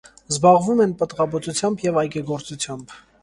Զբաղվում են պտղաբուծությամբ և այգեգործությամբ։